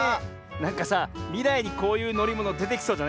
なんかさみらいにこういうのりものでてきそうじゃない？